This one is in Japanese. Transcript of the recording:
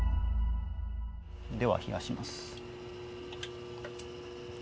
では冷やします。